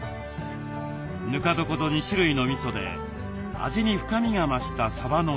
ぬか床と２種類のみそで味に深みが増したさばの煮付け。